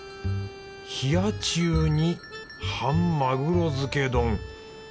冷や中に半マグロ漬け丼。